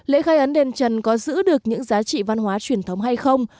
lễ khai ấn đền trần có giữ được những giá trị văn hóa truyền thống hay không